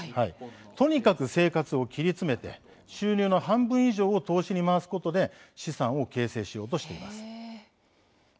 とにかく生活を切り詰めて収入の半分以上を投資に回すことで資産を形成しようとしています。